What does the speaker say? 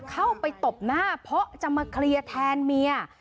เข้าไปตบหน้าเพราะจะมาเคลียร์แทนเมีย